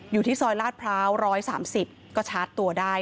อยู่ที่ซอยลาดพร้าว๑๓๐ก็ชาร์จตัวได้